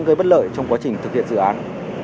gây bất lợi trong quá trình thực hiện dự án